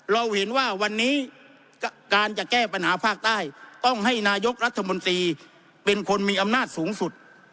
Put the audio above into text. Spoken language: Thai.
เราเห็นว่าวันนี้การจะแก้ปัญหาภาคใต้ต้องให้นายกรัฐมนตรีเป็นคนมีอำนาจสูงสุด